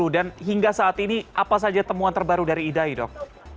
dan hingga saat ini apa saja temuan terbaru dari idai dok